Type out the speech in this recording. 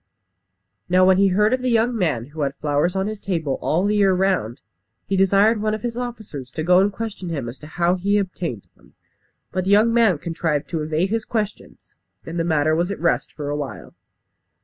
Now when he heard of the young man who had flowers on his table all the year round, he desired one of his officers to go and question him as to how he obtained them. But the young man contrived to evade his questions, and the matter was at rest for a while.